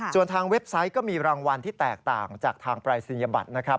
ส่วนทางเว็บไซต์ก็มีรางวัลที่แตกต่างจากทางปรายศนียบัตรนะครับ